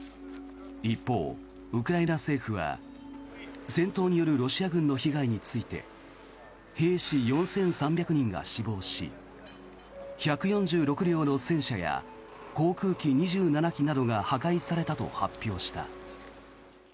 一方、ウクライナ政府は戦闘によるロシア軍の被害について兵士４３００人が死亡し１４６両の戦車や航空機２７機などが破壊されたと発表した。